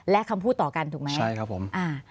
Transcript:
และคำพูดต่อกันถูกไหมใช่ครับผมอ่า